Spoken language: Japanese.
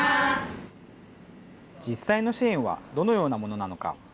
実際の支援はどのようなものなのか。